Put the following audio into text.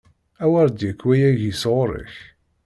A wer d-yekk wayagi sɣur-k!